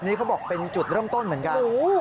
นี่เขาบอกเป็นจุดเริ่มต้นเหมือนกัน